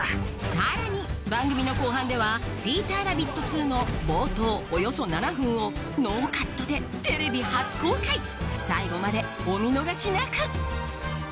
さらに番組の後半では『ピーターラビット２』の冒頭およそ７分をノーカットでテレビ初公開最後までお見逃しなく！